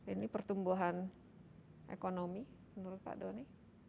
ini pertumbuhan ekonomi menurut pak doni